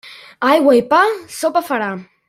Aigua i pa, sopa farà.